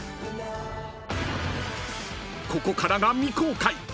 ［ここからが未公開。